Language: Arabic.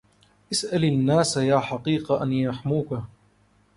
اسألي الناس يا حقيقة أن يحموك